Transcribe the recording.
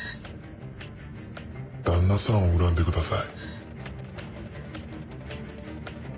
旦那さんを恨んでください。